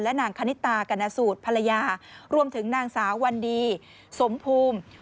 นางคณิตากรณสูตรภรรยารวมถึงนางสาววันดีสมภูมิ